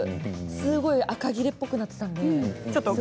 すごい、あかぎれっぽくなっていたので。